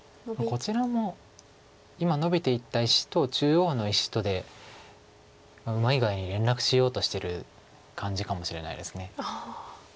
こちらも今ノビていった石と中央の石とでうまい具合に連絡しようとしてる感じかもしれないです。